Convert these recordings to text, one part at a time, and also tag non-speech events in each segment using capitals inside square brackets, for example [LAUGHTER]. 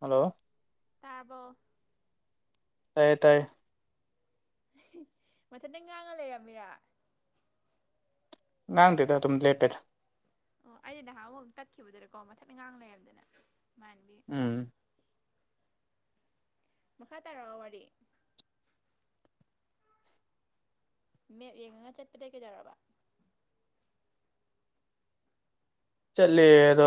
hello ꯇꯥꯔꯕꯣ ꯇꯥꯏꯌꯦ ꯇꯥꯏꯌꯦ ꯃꯊꯟꯗ ꯉꯥꯡꯉ ꯂꯩꯔꯝꯃꯤꯔ ꯅꯥꯡꯗꯦꯗ ꯑꯗꯨꯝ ꯂꯦꯞꯄꯦꯗ ꯑꯣ ꯑꯩꯗꯤ ꯅꯍꯥꯃꯨꯛ ꯇꯠꯈꯤꯕꯗꯨꯗꯀꯣ ꯃꯊꯥꯟꯇ ꯉꯥꯡ ꯂꯩꯔꯝꯗꯅ ꯢꯃꯥꯟꯅꯕꯤ ꯎꯝ ꯃꯈꯥ ꯇꯔꯛꯑꯣꯔ ꯋꯥꯔꯤ ꯃꯦꯞ ꯌꯦꯡꯉꯒ ꯆꯠꯄꯗꯩ ꯀꯩꯗꯧꯔꯕ ꯆꯠꯂꯦ ꯑꯗꯣ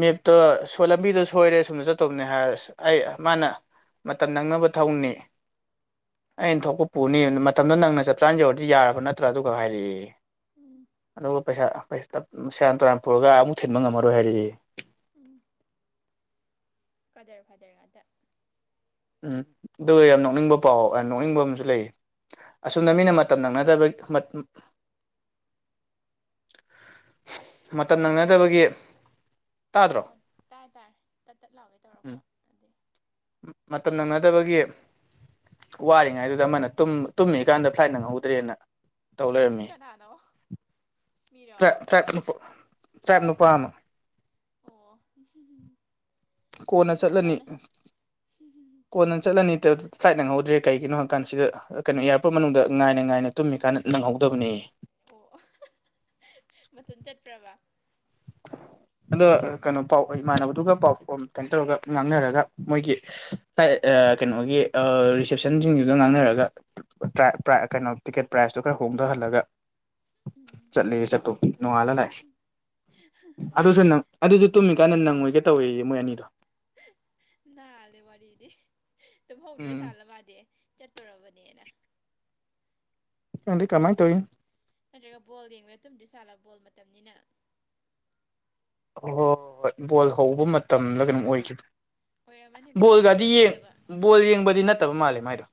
ꯃꯦꯞꯇꯣ ꯁꯣꯢ ꯂꯝꯕꯤꯗꯣ ꯁꯣꯏꯔꯦ ꯁꯣꯝꯗ ꯆꯠꯇꯧꯕꯅꯦ ꯍꯥꯏꯔꯁꯨ ꯑꯩ ꯃꯥꯅ ꯃꯇꯝ ꯅꯪꯅꯕ ꯊꯧꯅꯦ ꯑꯩꯅ ꯊꯣꯛꯄ ꯄꯨꯅꯤ ꯃꯇꯝꯗꯣ ꯅꯪꯅ ꯆꯞ ꯆꯥꯅ ꯌꯧꯔꯗꯤ ꯌꯥꯔꯕ ꯅꯠꯇ꯭ꯔꯥ ꯑꯗꯨꯈꯥꯛ ꯍꯥꯏꯔꯛꯑꯦ ꯎꯝ ꯑꯗꯨꯒ ꯄꯩꯁꯥ ꯁꯦꯔꯥꯟ ꯇꯨꯔꯥꯟ ꯄꯨꯔꯒ ꯑꯃꯨꯛ ꯊꯤꯟꯕ ꯉꯝꯃꯔꯣꯏ ꯍꯥꯏꯔꯛꯑꯦꯌꯦ ꯀꯥꯗꯔ ꯐꯥꯗꯔ ꯉꯥꯛꯇ ꯎꯝ ꯑꯗꯨꯒ ꯌꯥꯝ ꯅꯣꯛꯅꯤꯡꯕ ꯄꯥꯎ ꯅꯣꯛꯅꯤꯡꯕ ꯑꯃꯁꯨ ꯂꯩꯌꯦ ꯑꯁꯨꯝꯅ ꯀꯩꯗꯩꯕ ꯃꯤꯅ ꯃꯇꯝ ꯅꯪꯅꯗꯕꯒꯤ ꯃꯇꯝ ꯍꯜꯂꯣ ꯅꯪꯅꯗꯕꯒꯤ ꯇꯥꯗ꯭ꯔꯣ ꯇꯥꯏ ꯇꯥꯔ ꯇꯠ ꯇꯠ ꯂꯥꯎꯒꯦ ꯇꯧꯔꯛꯄ ꯑꯗꯨꯒꯤ ꯃꯇꯝ ꯅꯪꯅꯗꯕꯒꯤ ꯋꯥꯔꯤꯉꯩꯗꯨꯗ ꯑꯃꯅ ꯇꯨꯝꯃꯤꯀꯥꯟꯗ ꯐ꯭ꯂꯥꯏꯠ ꯅꯪꯍꯧꯗ꯭ꯔꯦꯅ ꯇꯧ ꯂꯩꯔꯝꯃꯦ ꯅꯅꯥꯅꯣ [UNINTELLIGIBLE] ꯇ꯭ꯔꯥꯞ ꯇ꯭ꯔꯥꯞ ꯅꯨ ꯇ꯭ꯔꯥꯞ ꯑꯣ ꯄꯨꯄꯥ ꯑꯃ ꯑꯣ ꯃꯥ ꯀꯣꯟꯅ ꯇꯨꯝꯃꯤ ꯆꯠꯂꯅꯤ ꯀꯥꯟꯗ ꯀꯣꯟꯅ ꯆꯠꯂꯅꯤ ꯐ꯭ꯂꯥꯏꯠ ꯅꯪꯍꯧꯗ꯭ꯔꯦ ꯀꯩꯒꯤꯅꯣ ꯍꯪꯑꯀꯥꯟꯁꯤꯗ ꯀꯩꯅꯣ ꯏꯌꯥꯔꯄꯣꯔꯠ ꯃꯅꯨꯡꯗ ꯉꯥꯏꯅ ꯉꯥꯏꯅ ꯇꯨꯝꯃꯤ ꯀꯥꯟꯗ ꯅꯪꯍꯧꯗꯕꯅꯦꯍꯦ ꯑꯣ ꯃꯊꯥꯟ ꯆꯠꯄ꯭ꯔꯕꯥ ꯑꯗꯣ ꯀꯩꯅꯣ ꯄꯥꯎ ꯏꯃꯥꯟꯅꯕꯗꯨꯒ ꯄꯥꯎ ꯀꯩꯅꯣ ꯇꯧꯔꯒ ꯉꯥꯡꯅꯔꯒ ꯃꯣꯏꯒꯤ ꯀꯩꯅꯣꯒꯤ ꯔꯤꯁꯦꯞꯁꯟꯁꯤꯡꯗꯨꯗ ꯉꯥꯡꯅꯔꯒ ꯀꯩꯅꯣ ꯇꯤꯛꯀꯦꯠ ꯄ꯭ꯔꯥꯏꯁꯇꯣ ꯈꯔ ꯍꯣꯡꯗꯍꯜꯂꯒ ꯆꯠꯂꯤꯌꯦ ꯆꯠꯄꯕꯨꯗꯤ ꯅꯣꯉꯥꯜꯂ ꯂꯥꯛꯌꯦ ꯑꯗꯨꯁꯨ ꯅꯪ ꯑꯗꯨꯁꯨ ꯇꯨꯝꯃꯤꯀꯥꯟꯗ ꯅꯪꯉꯣꯏꯒꯦ ꯇꯧꯋꯦꯋꯦ ꯃꯣꯏ ꯑꯅꯤꯗꯣ ꯅꯥꯜꯂꯦ ꯋꯥꯔꯤꯗꯤ ꯎꯝ ꯇꯨꯝꯍꯧꯗ꯭ꯔꯥꯖꯠꯂ ꯃꯥꯗꯤ ꯆꯠꯇꯣꯔꯕꯅꯤꯅ ꯈꯪꯗꯦ ꯀꯃꯥꯏ ꯇꯧꯔꯤꯅꯣ ꯅꯠꯇ꯭ꯔꯒ ꯕꯣꯜ ꯌꯦꯡꯕꯗ ꯇꯨꯝꯗꯔꯤꯖꯠꯂ ꯕꯣꯜ ꯃꯇꯝꯅꯤꯅ ꯍꯣꯢ ꯍꯣꯏ ꯍꯣꯏ ꯕꯣꯜ ꯍꯧꯕ ꯃꯇꯝꯂ ꯀꯩꯅꯣꯝ ꯑꯣꯏꯈꯤꯕꯅꯦ ꯑꯣꯏꯔꯝꯃꯅꯤ ꯕꯣꯜ ꯕꯣꯜꯒꯗꯤ ꯌꯦꯡꯕꯗ ꯌꯦꯡ ꯇꯨꯝꯗꯕ ꯕꯣꯜ ꯌꯦꯡꯕꯗꯤ ꯅꯠꯇꯕ ꯃꯥꯜꯂꯦ ꯃꯥꯏꯗꯣ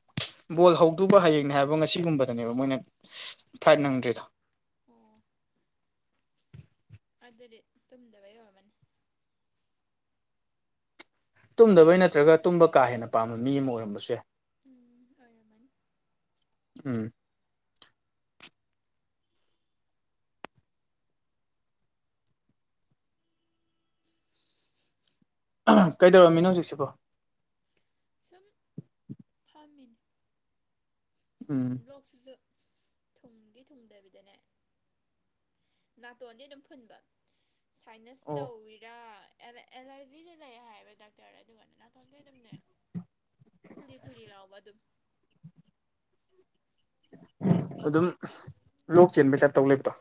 ꯕꯣꯜ ꯍꯧꯗꯨꯕ ꯍꯥꯌꯦꯡꯅꯦ ꯍꯥꯏꯕ ꯉꯁꯤꯒꯨꯝꯕꯗꯅꯦꯕ ꯃꯣꯏꯅ ꯐꯥ꯭ꯔꯏꯠ ꯅꯪꯗ꯭ꯔꯤꯗꯣ ꯑꯣ ꯑꯗꯨꯗꯤ ꯇꯨꯝꯗꯕ ꯑꯣꯢꯔꯝꯃꯅꯤ ꯇꯨꯝꯗꯕꯩ ꯅꯠꯇ꯭ꯔꯒ ꯇꯨꯝꯕ ꯀꯥ ꯍꯦꯟꯅ ꯄꯥꯝꯕ ꯃꯤ ꯑꯃ ꯑꯣꯏꯔꯝꯕꯁꯨ ꯌꯥꯏ ꯎꯝ ꯑꯣꯏꯔꯝꯃꯅꯤ ꯎꯝ ꯀꯩꯗꯧꯔꯝꯃꯤꯅꯣ ꯍꯧꯖꯤꯛꯁꯤꯕꯣ ꯁꯨꯝ ꯐꯥꯃꯤꯅꯦ ꯂꯣꯛ ꯎꯝ ꯂꯣꯛꯁꯤꯁꯨ ꯊꯨꯡꯗꯤ ꯊꯨꯡꯗꯕꯤꯗꯅꯦ ꯅꯥꯇꯣꯟꯗꯤ ꯑꯗꯨꯝ ꯐꯨꯟꯕ ꯁꯥꯏꯅꯁ ꯑꯣ ꯇꯧꯔꯤꯔꯥ ꯑꯦꯂꯔꯖꯤꯗꯤ ꯂꯩ ꯍꯥꯏꯌꯦꯕ ꯗꯥꯛꯇꯔ ꯑꯗꯨꯒꯅ ꯅꯥꯊꯣꯡꯇꯦ ꯑꯗꯨꯝꯅꯦ ꯎ [UNINTELLIGIBLE] ꯐꯨꯂꯤ ꯐꯨꯂꯤ ꯂꯥꯎꯕ ꯑꯗꯨꯝ [INAUDIBLE] ꯑꯗꯨꯝ ꯂꯣꯛ ꯆꯦꯟꯕꯩ ꯇꯥꯏꯞ ꯇꯧ ꯂꯩꯕꯗꯣ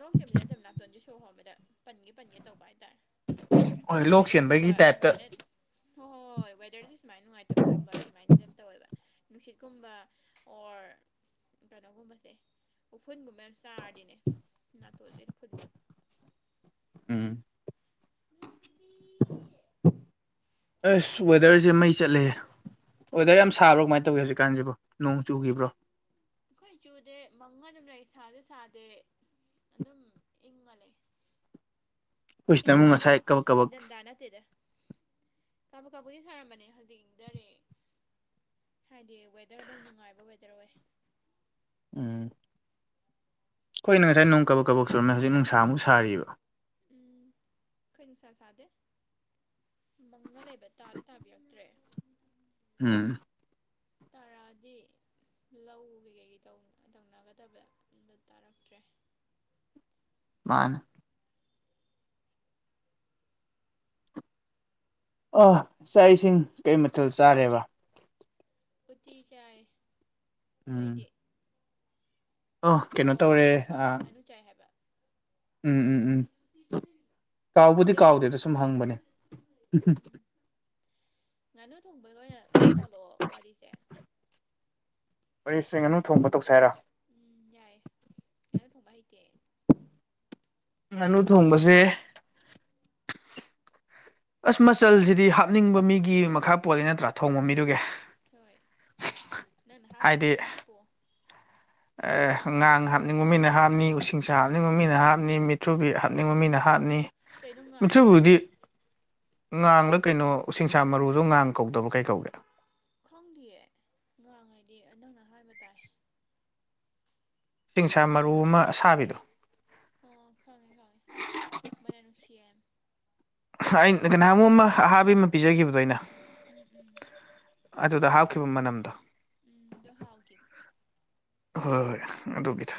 ꯂꯣꯛ ꯆꯦꯟꯕꯗꯤ ꯅꯠꯇꯕ ꯅꯥꯇꯣꯟꯗꯤ ꯁꯣꯔ ꯍꯣꯡꯃꯤꯗ ꯄꯟꯒꯦ ꯄꯟꯒꯦ ꯇꯧꯕ ꯍꯥꯏꯇꯥꯔꯦ ꯍꯣꯏ ꯂꯣꯛ ꯋꯦꯗꯔꯒꯨꯝꯕ ꯆꯦꯟꯕꯒꯤ ꯇꯥꯏꯞꯇ ꯁꯨꯃꯥꯏꯅ ꯍꯣꯏ ꯍꯣꯏ ꯍꯣꯏ ꯋꯦꯗꯔꯁꯦ ꯁꯨꯃꯥꯏꯅ ꯅꯨꯡꯉꯥꯏꯇꯕꯒꯨꯝꯕ ꯁꯨꯃꯥꯏꯅ ꯌꯥꯝ ꯇꯧꯋꯦꯕ ꯅꯨꯡꯁꯤꯠꯀꯨꯝꯕ ꯑꯣꯔ ꯀꯩꯅꯣꯒꯨꯝꯕꯁꯦ ꯎꯐꯨꯟꯒꯨꯝꯕ ꯃꯌꯥꯝ ꯆꯥꯔꯗꯤꯅꯦ ꯅꯥꯇꯣꯟꯁꯦ ꯑꯗꯨꯝ ꯐꯨꯟꯕ ꯎꯝ ꯅꯨꯡꯁꯤꯕꯤ ꯑꯁ ꯋꯦꯗꯔꯁꯦ ꯃꯩ ꯆꯠꯂꯦꯍꯦ ꯋꯦꯔꯗꯔ ꯌꯥꯝ ꯁꯥꯕ꯭ꯔꯣ ꯀꯃꯥꯏꯅ ꯇꯧꯋꯤ ꯍꯧꯖꯤꯛꯀꯥꯟꯁꯤꯕꯣ ꯅꯣꯡ ꯆꯨꯈꯤꯕ꯭ꯔꯣ ꯑꯩꯈꯣꯏ ꯆꯨꯗꯦ ꯃꯪꯉ ꯑꯗꯨꯝ ꯂꯩ ꯁꯥꯁꯨ ꯁꯥꯗꯦ ꯑꯗꯨꯝ ꯏꯪꯉꯥ ꯂꯩ ꯑꯩꯈꯣꯏ ꯁꯤꯗ ꯑꯃꯨꯛ ꯏꯪꯕꯗꯤ ꯉꯁꯥꯏ ꯀꯕꯛ ꯀꯕꯛ ꯏꯟꯊꯝꯊꯥ ꯅꯠꯇꯦꯗ ꯀꯥꯕꯛ ꯀꯥꯕꯛꯗꯤ ꯁꯥꯔꯝꯕꯅꯦ ꯍꯧꯖꯤꯡꯗꯔꯛꯑꯦ ꯍꯥꯏꯗꯤ ꯋꯦꯗꯔ ꯑꯗꯨꯝ ꯅꯨꯡꯉꯥꯏꯕ ꯋꯦꯗꯔ ꯑꯣꯏ ꯎꯝ ꯑꯈꯣꯢꯒꯤꯅ ꯉꯁꯥꯢ ꯅꯣꯡ ꯀꯕꯛ ꯀꯕꯛ ꯁꯨꯔꯝꯃꯦ ꯍꯧꯖꯤꯛ ꯅꯨꯡꯁꯥꯃꯨꯛ ꯁꯥꯔꯤꯕ ꯎꯝ ꯀꯣꯏ ꯅꯨꯡꯁꯥ ꯁꯥꯗꯦ ꯃꯪꯒ ꯂꯩꯕ ꯇꯥꯗꯤ ꯇꯥꯕꯤꯔꯛꯇ꯭ꯔꯦ ꯎꯝ ꯇꯥꯔꯛꯑꯗꯤ ꯂꯧ ꯀꯩ ꯀꯩ ꯇꯧꯅꯒꯗꯕ ꯑꯗꯣ ꯇꯥꯔꯛꯇ꯭ꯔꯦ ꯃꯥꯅꯦ ꯑꯥ ꯆꯥꯛ ꯏꯁꯤꯡ ꯀꯩ ꯃꯊꯦꯜ ꯆꯥꯔꯦꯕ ꯎꯇꯤ ꯆꯥꯏ ꯅꯣꯏꯗꯤ ꯑꯥ ꯀꯩꯅꯣ ꯑꯣ ꯇꯧꯔꯦ ꯀꯥꯎꯕ ꯀꯥꯎꯋꯦ ꯉꯥꯅꯨ ꯆꯥꯏ ꯍꯥꯢꯕ ꯎꯝ ꯎꯝ ꯎꯝ ꯀꯥꯎꯕꯨꯗꯤ ꯀꯥꯎꯗꯦꯗ ꯄꯤꯖꯈꯤꯕꯅꯦ ꯁꯨꯝ ꯍꯪꯕꯅꯦ ꯎꯝ ꯉꯥꯅꯨ ꯊꯣꯡꯕꯒꯤ ꯑꯣꯏꯅ ꯈꯔ ꯇꯥꯜꯂꯛꯑꯣ ꯋꯥꯔꯤꯁꯦ ꯋꯥꯔꯤꯁꯦ ꯉꯥꯅꯨ ꯊꯣꯡꯕ ꯇꯧꯁꯦ ꯍꯥꯏꯔꯥ ꯎꯝ ꯌꯥꯏꯌꯦ ꯉꯥꯅꯨ ꯊꯣꯡꯕ ꯍꯩꯇꯦ ꯑꯩ ꯉꯥꯅꯨ ꯊꯣꯡꯕꯁꯦ ꯑꯁ ꯃꯆꯜꯁꯤꯗꯤ ꯍꯥꯞꯅꯤꯡꯕ ꯃꯤꯒꯤ ꯃꯈꯥ ꯄꯣꯜꯂꯤ ꯅꯠꯇ꯭ꯔꯥ ꯊꯣꯡꯕ ꯎꯝ ꯃꯤꯗꯨꯒꯤ ꯍꯣꯏ ꯅꯪꯅ ꯍꯥꯞꯇꯧꯕꯗ ꯑꯗꯨꯝ ꯍꯥꯞꯄꯛꯑꯣ ꯑꯥ ꯉꯥꯡ ꯍꯥꯞꯅꯤꯡꯕ ꯃꯤꯅ ꯍꯥꯞꯅꯤ ꯎꯁꯤꯡꯁꯥ ꯍꯥꯞꯅꯤꯡꯕ ꯃꯤꯅ ꯍꯥꯞꯅꯤ ꯃꯨꯛꯊ꯭ꯔꯨꯕꯤ ꯍꯥꯞꯅꯤꯡꯕ ꯃꯤꯅ ꯍꯥꯞꯅꯤ ꯀꯩꯅꯣ ꯉꯥꯡꯉꯕꯣ ꯃꯗꯨꯕꯨꯗꯤ ꯉꯥꯡꯂ ꯀꯩꯅꯣ ꯎꯁꯤꯡꯁꯥ ꯃꯔꯨꯗꯣ ꯉꯥꯡ ꯀꯧꯗꯕ ꯀꯩ ꯀꯧꯒꯦ ꯈꯪꯗꯦꯌꯦ ꯉꯥꯡ ꯍꯥꯏꯩꯗꯤ ꯅꯪꯅ ꯑꯍꯥꯟꯕ ꯇꯥꯏ ꯎꯆꯤꯡꯁꯥ ꯃꯔꯨ ꯑꯃ ꯑꯁꯥꯕꯤꯗꯣ ꯑꯣ ꯈꯪꯉꯦ ꯈꯪꯉꯦ ꯃꯥꯅꯝ ꯅꯨꯡꯁꯤꯌꯦ ꯑꯩꯅ ꯅꯥꯍꯥꯟꯃꯨꯛ ꯑꯃ ꯑꯍꯥꯕꯤ ꯑꯃ ꯄꯤꯖꯈꯤꯕꯗꯣ ꯑꯩꯅ ꯎꯝ ꯎꯝ ꯑꯗꯨꯗ ꯍꯥꯞꯈꯤꯕ ꯃꯅꯝꯗꯣ ꯎꯝꯗꯣ ꯍꯥꯎꯒꯤ ꯍꯣꯏ ꯍꯣꯏ ꯑꯗꯨꯒꯤꯗꯣ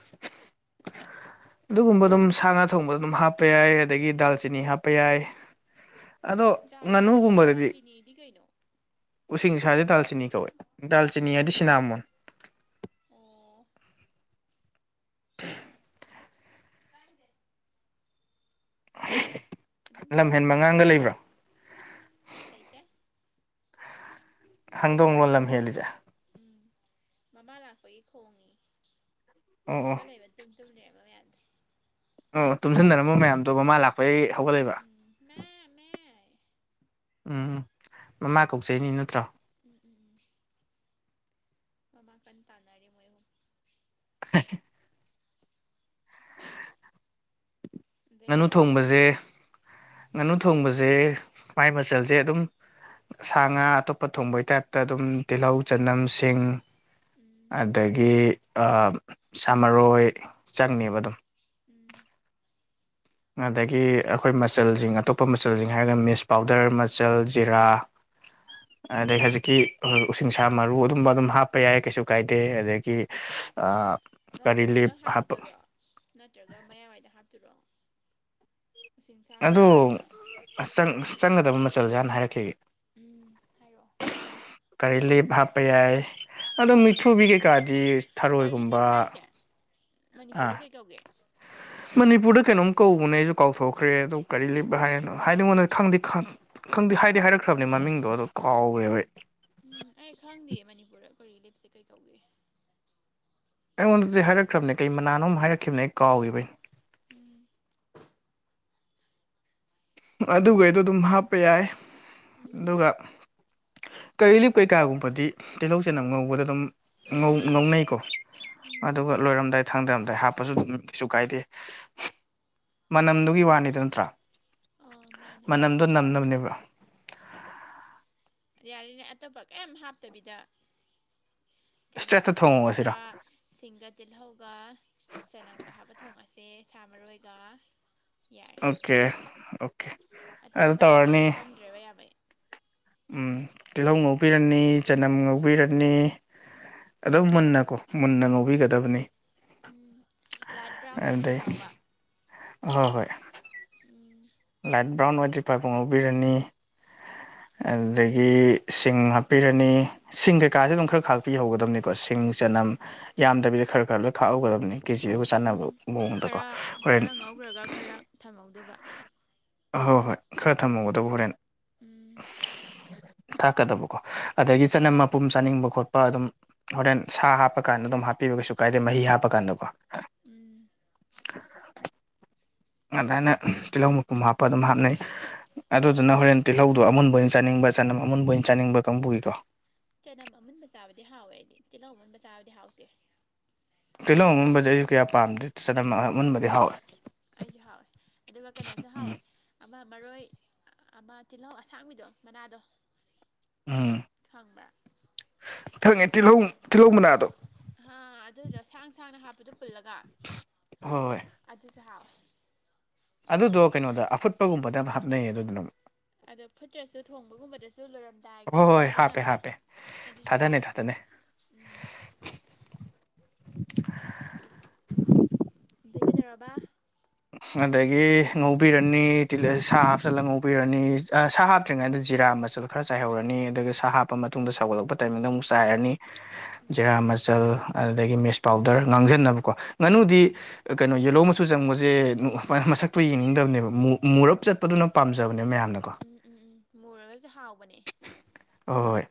[UNINTELLIGIBLE] ꯑꯗꯨꯒꯨꯝꯕ ꯑꯗꯨꯝ ꯁꯥ ꯉꯥ ꯊꯣꯡꯕꯗ ꯑꯗꯨꯝ ꯍꯥꯞꯄ ꯌꯥꯏ ꯑꯗꯒꯤ ꯗꯥꯜ ꯆꯤꯅꯤ ꯍꯥꯞꯄ ꯌꯥꯏ ꯑꯗꯣ ꯉꯥꯅꯨ ꯗꯥꯜꯆꯤꯅꯤ ꯒꯨꯝꯕꯗꯗꯤ ꯗꯥꯜꯆꯤꯅꯤꯗꯤ ꯀꯩꯅꯣ ꯎꯁꯤꯡꯁꯥꯖꯦ ꯗꯥꯜꯆꯤꯅꯤ ꯀꯧꯋꯦ ꯗꯥꯜꯆꯤꯅꯤ ꯍꯥꯏꯗꯤ ꯁꯤꯅꯥꯃꯣꯟ ꯑꯣ [UNINTELLIGIBLE] [UNINTELLIGIBLE] ꯑꯗꯨꯝ ꯍꯥꯏꯔꯛꯑꯣ ꯂꯝꯍꯦꯟꯕ ꯃꯈꯥ ꯑꯉꯥꯡꯒ ꯂꯩꯕ꯭ꯔꯥ ꯂꯩꯇꯦ ꯍꯡꯗꯣꯡꯂꯣ ꯂꯝ ꯍꯦꯜꯂꯤꯖꯦ ꯎꯝ ꯃꯃꯥ ꯂꯥꯛꯄꯒꯤ ꯈꯣꯡꯉꯤ ꯑꯣ ꯑꯣ ꯍꯧꯒꯠꯂꯩꯕ ꯇꯨꯝ ꯇꯨꯝ ꯂꯩꯔꯝꯕ ꯃꯌꯥꯝ [UNINTELLIGIBLE] ꯑꯣ ꯇꯨꯝꯁꯟꯅꯔꯝꯕ ꯃꯌꯥꯝꯗꯣ ꯃꯃꯥ ꯂꯥꯛꯄꯩ ꯍꯧꯒꯠꯂꯛꯏꯕ ꯎꯝ ꯃꯦ ꯃꯦ ꯍꯥꯏꯌꯦ ꯎꯝ ꯃꯃꯥ ꯀꯧꯆꯩꯅꯤ ꯅꯠꯇ꯭ꯔꯣ ꯎꯝ ꯎꯝ ꯎꯝ ꯃꯃꯥ ꯀꯟ ꯇꯥꯅꯔꯤ ꯃꯣꯏ ꯑꯍꯨꯝ [INAUDIBLE] [INAUDIBLE] ꯑꯗꯩ ꯉꯥꯅꯨ ꯀꯩꯗꯧꯔꯕ ꯊꯣꯡꯕꯖꯦ ꯉꯥꯅꯨ ꯊꯣꯡꯕꯖꯦ ꯃꯥꯏ ꯃꯆꯜꯖꯦ ꯑꯗꯨꯝ ꯁꯥ ꯉꯥ ꯑꯇꯣꯞꯄ ꯊꯣꯡꯕꯩ ꯇꯥꯏꯞꯇ ꯑꯗꯨꯝ ꯇꯤꯜꯍꯧ ꯆꯅꯝ ꯁꯤꯡ ꯎꯝ ꯑꯗꯒꯤ ꯑꯥ ꯁꯥꯃꯔꯣꯏ ꯆꯪꯅꯦꯕ ꯑꯗꯨꯝ ꯎꯝ ꯑꯗꯒꯤ ꯑꯩꯈꯣꯏ ꯃꯆꯜꯖꯤꯡ ꯑꯇꯣꯞꯄ ꯃꯆꯜꯖꯤꯡ ꯍꯥꯏꯔꯒꯅ ꯃꯤꯁ ꯄꯥꯎꯗꯔ ꯃꯆꯜ ꯖꯤꯔꯥ [INAUDIBLE] ꯑꯗꯩ ꯍꯧꯖꯤꯛꯀꯤ ꯎꯁꯤꯡꯁꯥ ꯃꯔꯨ ꯑꯗꯨꯝꯕ ꯑꯗꯨꯝ ꯍꯥꯞꯄ ꯌꯥꯏ ꯀꯩꯁꯨ ꯀꯥꯏꯗꯦ ꯑꯗꯒꯤ ꯑꯥ ꯉꯧꯕꯗ ꯄꯨꯂꯞ ꯍꯥꯞꯈꯤꯗꯣꯏꯔꯣ ꯅꯠꯇ꯭ꯔꯒ ꯃꯌꯥꯋꯥꯏꯗ ꯍꯥꯞꯇꯣꯏꯔꯣ ꯎꯁꯤꯡꯁꯥ ꯀꯩꯀꯥꯗꯨꯖꯨ ꯑꯆꯪ ꯆꯪꯒꯗꯕ ꯃꯆꯜꯖꯦ ꯍꯥꯟꯅ ꯍꯥꯏꯔꯛꯈꯤꯒꯦ ꯎꯝ ꯍꯥꯏꯔꯛꯑꯣ ꯀꯔꯤ ꯂꯤꯞ ꯍꯥꯞꯄ ꯌꯥꯏ ꯑꯗꯣ ꯃꯤꯊ꯭ꯔꯨꯕꯤ ꯀꯩꯀꯥꯗꯤ ꯀꯔꯤ ꯊꯔꯣꯏꯒꯨꯝꯕ ꯂꯤꯞ ꯍꯥꯏꯁꯦ ꯑꯥ ꯃꯅꯤꯄꯨꯔꯗ ꯀꯩ ꯀꯧꯒꯦ ꯃꯅꯤꯄꯨꯔꯗ ꯀꯩꯅꯣꯝ ꯀꯧꯕꯅꯦ ꯑꯩꯁꯨ ꯀꯥꯎꯊꯣꯛꯈ꯭ꯔꯦ ꯑꯗꯨ ꯀꯔꯤ ꯂꯤꯞ ꯍꯥꯏꯅ ꯍꯥꯏꯅꯤꯡꯕ ꯅꯣꯏ ꯈꯪꯗꯤ ꯈꯪ ꯈꯪꯗꯤ ꯍꯥꯏꯗꯤ ꯍꯥꯏꯔꯛꯈ꯭ꯔꯕꯅꯦ ꯃꯃꯤꯡꯗꯣ ꯑꯗꯣ ꯀꯥꯎꯒ꯭ꯔꯦꯕ ꯑꯩ ꯎꯝ ꯑꯩ ꯈꯪꯗꯤꯌꯦ ꯃꯅꯤꯄꯨꯔꯗ ꯀꯔꯤ ꯂꯤꯞꯁꯦ ꯀꯩ ꯀꯧꯒꯦ ꯑꯩꯉꯣꯟꯗꯗꯤ ꯍꯥꯏꯔꯛꯈ꯭ꯔꯕꯅꯦ ꯀꯩ ꯃꯅꯥꯅꯣꯝ ꯍꯥꯏꯔꯛꯈꯤꯕꯅꯦ ꯑꯩ ꯀꯥꯎꯒꯤꯕꯩ ꯎꯝ ꯑꯗꯨꯒꯩꯗꯣ ꯑꯗꯨꯝ ꯍꯥꯞꯄ ꯌꯥꯏ ꯎꯝ ꯑꯗꯨꯒ ꯀꯔꯤꯂꯤꯞ ꯀꯩꯀꯥꯒꯨꯝꯕꯗꯤ ꯇꯤꯜꯍꯧ ꯆꯅꯝ ꯉꯧꯕꯗ ꯑꯗꯨꯝ ꯉꯧ ꯉꯧꯅꯩꯀꯣ ꯎꯝ ꯑꯗꯨꯒ ꯂꯣꯏꯔꯝꯗꯥꯏ ꯊꯥꯡꯗꯔꯝꯗꯥꯏ ꯍꯥꯞꯄꯁꯨ ꯑꯗꯨꯝ ꯀꯩꯁꯨ ꯀꯥꯏꯗꯦ ꯃꯅꯝꯗꯨꯒꯤ ꯋꯥꯅꯤꯗ ꯅꯠꯇ꯭ꯔꯥ ꯑꯣ ꯃꯥꯥꯟ ꯃꯅꯝꯗꯣ ꯅꯝꯅꯕꯅꯦꯕ ꯌꯥꯔꯤꯅꯦ ꯑꯇꯣꯞꯄ ꯀꯩꯏꯝ ꯍꯥꯞꯇꯕꯤꯗ ꯀꯩꯅꯣ ꯏꯁꯇ꯭ꯔꯦꯠꯇ ꯊꯣꯡꯉꯁꯤꯔꯣ ꯁꯤꯡꯒꯥ ꯁꯤꯡꯒ ꯇꯤꯜꯍꯧꯒ ꯆꯅꯝꯒ ꯍꯥꯞꯄ ꯊꯣꯡꯉꯁꯦ ꯁꯥ ꯃꯔꯣꯏꯒ ꯌꯥꯔꯦ ꯑꯣꯀꯦ ꯑꯣꯀꯦ ꯑꯇꯣꯞꯄ ꯑꯗꯨ ꯃꯆꯤꯟꯉꯩꯗꯣ ꯇꯧꯔꯅꯤ ꯈꯪꯗ꯭ꯔꯦꯕ ꯌꯥꯝ ꯑꯩ ꯎꯝ ꯇꯤꯜꯍꯧ ꯉꯧꯕꯤꯔꯅꯤ ꯆꯅꯝ ꯉꯧꯕꯤꯔꯅꯤ ꯑꯗꯨꯝ ꯃꯨꯟꯅꯀꯣ ꯃꯨꯟꯅ ꯎꯝ ꯉꯧꯕꯤꯒꯗꯕꯅꯤ ꯎꯝ ꯂꯥꯏꯠ ꯕ꯭ꯔꯥꯎꯟ ꯑꯣꯏꯗ꯭ꯔꯤ ꯐꯥꯎꯕ ꯍꯣꯢ ꯍꯣꯏ ꯎꯝ ꯂꯥꯏꯠ ꯕ꯭ꯔꯥꯎꯟ ꯑꯣꯢꯗꯔꯤ ꯐꯥꯎꯕ ꯉꯧꯕꯤꯔꯅꯤ ꯑꯗꯨꯗꯒꯤ ꯁꯤꯡ ꯍꯥꯞꯄꯤꯔꯅꯤ ꯁꯤꯡ ꯀꯩꯀꯥꯁꯦ ꯑꯗꯨꯝ ꯈꯔ ꯈꯥꯛꯄꯤꯍꯧꯒꯗꯕꯅꯤꯀꯣ ꯁꯤꯡ ꯆꯅꯝ ꯌꯥꯝꯗꯕꯤꯗ ꯈꯔ ꯈꯔ ꯂꯣꯏ ꯈꯥꯛꯍꯧꯒꯗꯕꯅꯤ ꯀꯦꯖꯤꯗꯨꯒ ꯆꯥꯟꯅꯕ ꯃꯑꯣꯡꯗꯀꯣ ꯍꯣꯔꯦꯟ ꯂꯣꯢꯔꯒ ꯈꯔ ꯊꯝꯍꯧꯗꯨꯕ ꯍꯣꯏ ꯍꯣꯏ ꯈꯔ ꯎꯝ ꯊꯝꯃꯧꯒꯗꯕ ꯍꯣꯔꯦꯟ ꯎꯝ ꯊꯥꯛꯀꯗꯕ ꯀ ꯑꯗꯒꯤ ꯆꯅꯝ ꯃꯄꯨꯝ ꯆꯥꯅꯤꯡꯕ ꯈꯣꯠꯄ ꯍꯥ ꯑꯗꯨꯝ ꯍꯣꯔꯦꯟ ꯁꯥ ꯍꯥꯞꯄꯀꯥꯟꯗ ꯑꯗꯨꯝ ꯍꯥꯞꯄꯤꯕ ꯀꯩꯁꯨ ꯀꯥꯏꯗꯦ ꯃꯍꯤ ꯍꯥꯞꯄ ꯀꯥꯟꯗꯀꯣ ꯎꯝ ꯑꯗꯨꯃꯥꯏꯅ ꯇꯤꯜꯍꯧ ꯃꯀꯨꯝ ꯍꯥꯞꯄ ꯑꯗꯨꯝ ꯍꯥꯞꯅꯩ ꯑꯗꯨꯗꯨꯅ ꯍꯣꯔꯦꯟ ꯇꯤꯜꯍꯧꯗꯣ ꯑꯃꯨꯟꯕ ꯑꯣꯏꯅ ꯆꯥꯅꯤꯡꯕ ꯆꯅꯝ ꯑꯃꯨꯟꯕ ꯑꯣꯏꯅ ꯆꯥꯅꯤꯡꯕ ꯀꯥꯡꯕꯨꯒꯤꯀꯣ ꯆꯅꯝ ꯑꯃꯨꯟꯕ ꯆꯥꯕꯗꯤ ꯍꯥꯎꯋꯦ ꯍꯥꯏꯗꯤ ꯇꯤꯜꯍꯧ ꯑꯃꯨꯟꯕ ꯆꯥꯕꯗꯤ ꯍꯥꯎꯇꯦ ꯇꯤꯜꯍꯧ ꯑꯃꯨꯟꯕꯗꯤ ꯑꯩꯁꯨ ꯀꯌꯥ ꯄꯥꯝꯗꯦ ꯆꯅꯝ ꯑꯃꯨꯟꯕꯗꯤ ꯍꯥꯎꯋꯦ ꯑꯩꯁꯨ ꯍꯥꯎꯋꯦ ꯑꯗꯨꯒ ꯀꯩꯅꯣꯁꯨ ꯎꯝ ꯍꯥꯎꯋꯦ ꯑꯃ ꯃꯔꯣꯏ ꯑꯃ ꯇꯤꯜꯍꯧ ꯑꯁꯥꯡꯕꯤꯗꯣ ꯃꯅꯥꯗꯣ ꯎꯝ ꯈꯪꯕ꯭ꯔꯥ ꯈꯪꯉꯦ ꯇꯤꯜꯍꯧ ꯇꯤꯜꯍꯧ ꯃꯅꯥꯗꯣ ꯍꯥ ꯑꯗꯨꯗꯣ ꯁꯥꯡ ꯁꯥꯡꯅ ꯍꯥꯞꯄꯗꯣ ꯄꯨꯜꯂꯒ ꯍꯣꯏ ꯑꯗꯨꯁꯨ ꯍꯥꯎꯑꯦ ꯑꯗꯨꯗꯣ ꯀꯩꯅꯣꯗ ꯑꯐꯨꯠꯄꯒꯨꯝꯕꯗ ꯌꯥꯝꯅ ꯍꯥꯞꯅꯩꯌꯦ ꯑꯗꯨꯗꯨꯅ ꯑꯃꯨꯛ ꯑꯗꯣ ꯐꯨꯠꯇ꯭ꯔꯁꯨ ꯊꯣꯡꯕꯒꯨꯝꯕꯗꯁꯨ ꯍꯣꯏ ꯂꯣꯏꯔꯝꯗꯥꯏꯒꯨꯝꯕꯗ ꯍꯣꯏ ꯍꯥꯞꯄꯦ ꯊꯥꯗꯅꯕꯤꯗꯣ ꯍꯥꯞꯄꯦ ꯑꯗꯨꯁꯨ ꯊꯥꯗꯅꯩ ꯍꯥꯎꯋꯦ ꯊꯥꯗꯅꯩ ꯎꯝ ꯑꯗꯩ ꯀꯩꯗꯧꯔꯕ ꯑꯗꯒꯤ ꯉꯧꯕꯤꯔꯅꯤ ꯇꯤ ꯁꯥ ꯍꯥꯞꯆꯜꯂ ꯉꯧꯕꯤꯔꯅꯤ ꯁꯥ ꯍꯥꯞꯇ꯭ꯔꯤꯉꯩꯗ ꯖꯤꯔꯥ ꯃꯆꯜ ꯈꯔ ꯆꯥꯏꯍꯧꯔꯅꯤ ꯑꯗꯨꯒ ꯁꯥ ꯍꯥꯞꯄ ꯃꯇꯨꯡꯗ ꯁꯧꯒꯠꯂꯛꯄ ꯇꯥꯏꯃꯤꯡꯗ ꯑꯃꯨꯛ ꯆꯥꯏꯔꯅꯤ ꯎꯝ ꯖꯦꯔꯥ ꯃꯆꯜ ꯑꯗꯨꯗꯒꯤ ꯃꯤꯁ ꯄꯥꯎꯗꯔ ꯉꯥꯡꯁꯤꯟꯅꯕꯀꯣ ꯉꯥꯅꯨꯗꯤ ꯎꯝ ꯀꯩꯅꯣ ꯌꯦꯂꯣ ꯑꯃꯁꯨ ꯆꯪꯕ ꯖꯦ ꯃꯁꯛꯇꯨ ꯌꯦꯡꯅꯤꯡꯗꯕꯅꯦꯕ ꯃꯨꯔꯞ ꯆꯠꯄꯗꯨꯅ ꯄꯥꯝꯖꯕꯅꯦꯕ ꯃꯌꯥꯝꯅꯀꯣ ꯎꯝ ꯎꯝ ꯎꯝ ꯃꯨꯔꯒꯁꯨ ꯍꯥꯎꯕꯅꯦ ꯍꯣꯢ ꯍꯣꯏ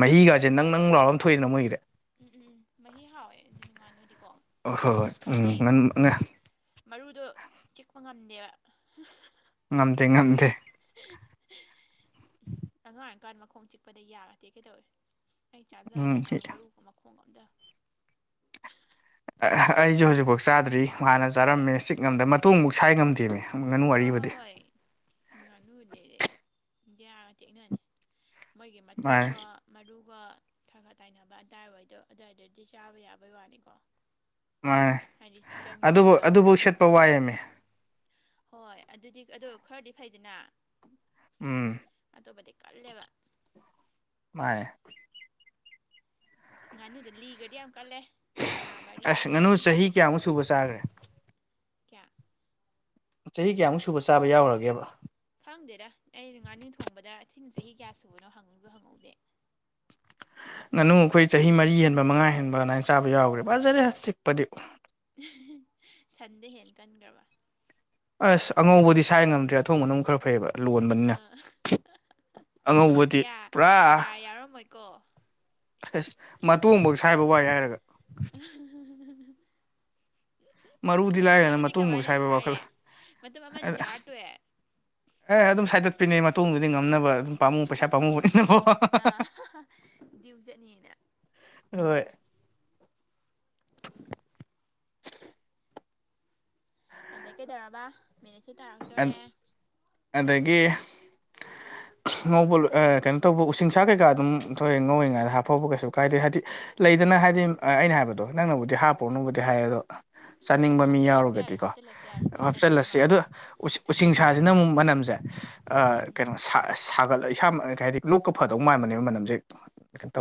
ꯃꯍꯤꯒꯁꯦ ꯅꯪꯅꯪ ꯂꯥꯎꯔ ꯑꯃ ꯊꯣꯛꯏꯅ ꯃꯣꯏꯒꯤꯗꯤ ꯎꯝ ꯎꯝ ꯎꯝ ꯃꯍꯤ ꯍꯥꯎꯋꯦ ꯑꯗꯨꯅ ꯉꯥꯅꯨꯗꯤꯀꯣ ꯍꯣꯏ ꯍꯣꯏ ꯎꯝ ꯍꯥꯏꯗꯤ ꯉꯥꯟ ꯃꯔꯨꯗꯣ ꯆꯤꯛꯄ ꯉꯝꯗꯦꯕ ꯉꯝꯗꯦ ꯉꯝꯗꯦ ꯑꯉꯥꯡ ꯑꯣꯏꯔꯤꯀꯟ ꯃꯈꯣꯡ ꯆꯤꯛꯄꯗ ꯌꯥꯒꯥ ꯇꯦꯛꯒꯦ ꯇꯧꯌꯦ ꯑꯩ ꯆꯥꯖꯗ꯭ꯔꯦ ꯎꯝ ꯃꯔꯨ ꯃꯔꯨꯒ ꯃꯈꯣꯡꯒ ꯑꯝꯇ ꯑ ꯍ ꯑꯩꯖꯨ ꯍꯨꯖꯤꯛꯐꯥꯎ ꯆꯥꯗ꯭ꯔꯤ ꯍꯥꯟꯅ ꯆꯥꯔꯝꯃꯦ ꯆꯤꯛ ꯉꯝꯗ ꯃꯇꯣꯡꯕꯨꯛ ꯁꯥꯏ ꯉꯝꯗꯦꯃꯦ ꯉꯥꯅꯨ ꯍꯣꯏ ꯍꯣꯏ ꯑꯔꯤꯕꯗꯤ ꯍꯣꯏ ꯉꯥꯅꯨꯗꯦꯗꯤ ꯌꯥꯒ ꯇꯦꯛꯅꯅꯤ ꯃꯣꯏꯒꯤ ꯃꯇꯣꯡꯒ ꯃꯥꯅꯦ ꯃꯔꯨꯒ ꯈꯔ ꯈꯔ ꯇꯥꯏꯅꯕ ꯑꯗꯥꯏꯋꯥꯏꯗꯣ ꯑꯗ꯭ꯋꯥꯏꯗꯗꯤ ꯆꯥꯕ ꯌꯥꯕꯩ ꯋꯥꯅꯤꯀꯣ ꯃꯥꯅꯦ ꯍꯥꯏꯗꯤ ꯀꯌꯥ ꯑꯗꯨꯕꯨ ꯉꯝꯃꯦꯕ ꯑꯗꯨꯕꯧ ꯁꯦꯠꯄ ꯋꯥꯏꯌꯦꯃꯤ ꯍꯣꯏ ꯑꯗꯨꯗꯤ ꯑꯗꯣ ꯈꯔꯗꯤ ꯐꯩꯗꯅ ꯎꯝ ꯑꯇꯣꯞꯄꯗꯤ ꯀꯜꯂꯦꯕ ꯃꯥꯅꯦ ꯉꯥꯅꯨꯗ ꯂꯤꯒ꯭ꯔꯗꯤ ꯌꯥꯝ ꯀꯜꯂꯦ ꯂꯥꯕ ꯑꯔꯤꯕꯗꯤ ꯑꯁ ꯑꯃꯨꯛ ꯉꯥꯅꯨ ꯍꯦꯟꯅ ꯆꯍꯤ ꯀꯜꯂꯦ ꯀꯌꯥꯃꯨꯛ ꯁꯨꯕ ꯆꯥꯈ꯭ꯔꯦ ꯀꯌꯥ ꯆꯍꯤ ꯀꯌꯥꯃꯨꯛ ꯁꯨꯕ ꯆꯥꯕ ꯌꯥꯎꯒ꯭ꯔꯒꯦꯕ ꯈꯪꯗꯦꯗ ꯑꯩ ꯉꯥꯅꯨ ꯊꯣꯡꯕꯗ ꯊꯤꯅ ꯆꯍꯤ ꯀꯌꯥ ꯁꯨꯕꯅꯣ ꯍꯪꯁꯨ ꯍꯪꯍꯧꯗꯦ ꯉꯥꯅꯨ ꯑꯩꯈꯣꯏ ꯆꯍꯤ ꯃꯔꯤ ꯍꯦꯟꯕ ꯃꯉꯥ ꯍꯦꯟꯕ ꯑꯗꯥꯏꯅ ꯆꯥꯕ ꯌꯥꯎꯒ꯭ꯔꯦ ꯐꯖꯔꯦ ꯆꯤꯛꯄꯗꯤ ꯁꯟꯗꯩꯩ ꯍꯦꯟꯅ ꯀꯟꯒ꯭ꯔꯕ ꯑꯁ ꯑꯉꯧꯕꯗꯤ ꯁꯥꯏ ꯉꯝꯗ꯭ꯔꯦ ꯑꯊꯣꯡꯕꯅ ꯑꯃꯨꯛ ꯈꯔ ꯐꯩꯑꯕ ꯂꯣꯟꯕꯅꯤꯅ ꯑꯥ ꯑꯉꯧꯕꯗꯤ ꯄꯨꯔꯥ ꯌꯥꯔꯝꯃꯣꯏ ꯀꯣ ꯑꯁ ꯃꯇꯣꯡꯕꯧ ꯁꯥꯏꯕ ꯋꯥꯏ ꯍꯥꯏꯔꯒ ꯃꯔꯨꯗꯤ ꯂꯥꯏꯔꯗꯅ ꯑꯗꯨꯗꯤ ꯃꯇꯣꯡꯐꯧ ꯀꯃꯥꯏꯅ ꯁꯥꯏꯕ ꯋꯥꯈꯜ ꯁꯥꯏꯔꯦ ꯃꯇꯨꯝ ꯑꯃꯥ ꯑꯅꯤ ꯆꯥꯔ ꯇꯣꯛꯑꯦ ꯑꯦ ꯑꯗꯨꯝ ꯁꯥꯏꯗꯠꯄꯤꯅꯦ ꯃꯇꯨꯡꯗꯨꯗꯤ ꯉꯝꯅꯕ ꯑꯗꯨꯝ ꯄꯥꯝꯃꯨ ꯄꯩꯁꯥ ꯄꯥꯝꯃꯨꯕꯅꯤꯅꯀꯣ ꯗꯤꯌꯨ ꯆꯠꯅꯤꯅꯥ ꯍꯣꯏ [UNINTELLIGIBLE] [INAUDIBLE] ꯑꯗꯩ ꯀꯩꯗꯧꯔꯕ ꯃꯤꯅꯤꯠꯁꯨ ꯇꯥꯔꯛꯇꯣꯔꯦ ꯑꯗꯒꯤ ꯉꯧꯕ ꯂꯣꯏ ꯑꯦ ꯀꯩꯅꯣ ꯇꯧꯕ ꯎꯁꯤꯡꯁꯥ ꯀꯩꯀꯥ ꯑꯗꯨꯝ ꯊꯣꯛꯑꯦ ꯉꯧꯋꯤꯉꯩꯗ ꯍꯥꯞꯐꯧꯕ ꯀꯩꯁꯨ ꯀꯥꯏꯗꯦ ꯍꯥꯏꯗꯤ ꯂꯩꯗꯅꯥ ꯍꯥꯏꯗꯤ ꯑ ꯑꯩꯅ ꯍꯥꯏꯕꯗꯣ ꯅꯪꯅꯕꯨꯗꯤ ꯍꯥꯞꯄꯨꯔꯅꯣꯕꯨꯗꯤ ꯍꯥꯏ ꯑꯗꯣ ꯎꯝ ꯆꯥꯅꯤꯡꯕ ꯃꯤ ꯍꯥꯞꯆꯤꯜꯂꯁꯨ ꯌꯥꯔꯦ ꯌꯥꯎꯔꯒꯗꯤꯀꯣ ꯍꯥꯞꯆꯤꯜꯂꯁꯨ ꯌꯥꯔꯦ ꯅꯪ ꯆꯥꯅꯤꯡꯕ ꯍꯥꯞꯆꯜꯂꯁꯤ ꯃꯥꯜꯂꯦ ꯑꯗꯣ ꯎꯁꯤ ꯎꯁꯤꯡꯁꯥꯁꯤꯅ ꯑꯃꯨꯛ ꯃꯅꯝꯖꯦ ꯑꯥ ꯎꯝ ꯀꯩꯅꯣ ꯁꯥ ꯁꯥꯒꯠꯂꯒ ꯏꯁꯥꯃ ꯑ ꯀꯩ ꯍꯥꯏꯗꯤ ꯂꯣꯛꯀ ꯐꯗꯧ ꯃꯥꯟꯕꯅꯦꯕ ꯃꯅꯝꯖꯦ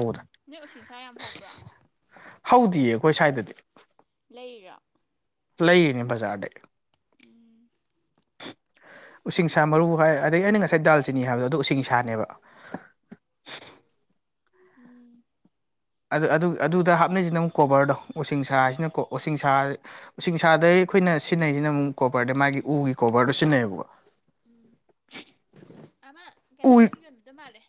ꯎꯝ ꯅꯣꯏ ꯎꯁꯤꯡꯁꯥ ꯌꯥꯝ ꯍꯧꯕ꯭ꯔꯥ ꯍꯧꯗꯤꯌꯦ ꯑꯩꯈꯣꯏ ꯁ꯭ꯋꯥꯏꯗꯗꯤ ꯂꯩꯔꯤꯔꯣ ꯂꯩꯔꯤꯅꯦ ꯕꯖꯥꯔꯗꯩ ꯎꯝ ꯎꯁꯤꯡꯁꯥ ꯃꯔꯨ ꯍꯥꯏ ꯑꯗꯩ ꯑꯩꯅ ꯉꯁꯥꯏ ꯗꯥꯜ ꯆꯤꯅꯤ ꯍꯥꯏꯕꯗꯣ ꯑꯗꯣ ꯎꯁꯤꯡꯁꯥꯅꯦꯕ ꯎꯝ ꯑꯗꯨ ꯑꯗꯨ ꯑꯗꯨꯗ ꯍꯥꯞꯅꯩꯁꯤꯅ ꯑꯃꯨꯛ ꯀꯣꯕꯔꯗꯣ ꯎꯁꯤꯡꯁꯥꯁꯤꯅꯀꯣ ꯎꯁꯤꯡꯁꯥ ꯎꯁꯤꯡꯁꯥꯗꯩ ꯑꯩꯈꯣꯏꯅ ꯁꯤꯖꯤꯟꯅꯩꯁꯤꯅ ꯑꯃꯨꯛ ꯀꯣꯕꯔꯗ ꯃꯥꯒꯤ ꯎꯒꯤ ꯀꯣꯕꯔꯗꯣ ꯁꯤꯖꯤꯟꯅꯩꯌꯦꯕꯀꯣ ꯎꯝ [UNINTELLIGIBLE] ꯑꯃ ꯎ ꯀꯩꯅꯣꯗꯣ ꯌꯣꯟꯕꯤꯗꯣ ꯃꯥꯜꯂꯦ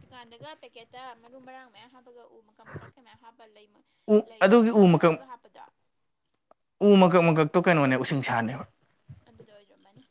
ꯗꯨꯀꯥꯟꯗꯒ ꯄꯦꯀꯦꯠꯇ ꯃꯔꯨ ꯃꯔꯥꯡ ꯃꯌꯥꯝ ꯍꯥꯞꯄꯒ ꯑꯨ ꯃ ꯀ ꯃꯀꯛ ꯀꯥ ꯃꯌꯥꯝ ꯍꯥꯞꯄ ꯂꯩ ꯃꯥ ꯎ ꯂꯩ ꯑꯗꯨꯒꯤ ꯎ ꯃꯀꯛ ꯃꯥꯟꯕꯒ ꯍꯥꯞꯄꯗꯣ ꯎ ꯃꯀꯛ ꯃꯀꯛꯇꯣ ꯀꯩꯅꯣꯅꯦ ꯎꯁꯤꯡꯁꯥꯅꯦꯕ ꯑꯗꯨꯗꯣ ꯑꯣꯏꯔꯝꯃꯅꯤ